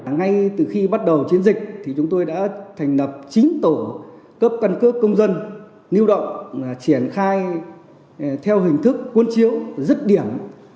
ngay từ khi bắt đầu chiến dịch chúng tôi đã thành lập chín tổ cấp căn cước công dân lưu động triển khai theo hình thức cuốn chiếu rứt điểm